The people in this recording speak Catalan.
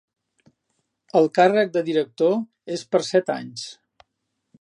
El càrrec de director és per set anys.